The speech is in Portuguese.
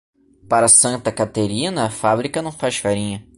Para Santa Caterina, a fábrica não faz farinha.